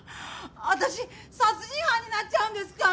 私殺人犯になっちゃうんですか？